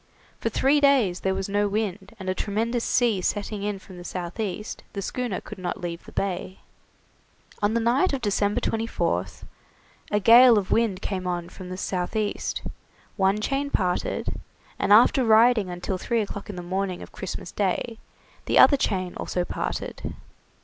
For three days there was no wind, and a tremendous sea setting in from the south east, the schooner could not leave the bay. On the night of December 24th a gale of wind came on from the south east; one chain parted, and after riding until three o'clock in the morning of Christmas Day, the other chain also parted.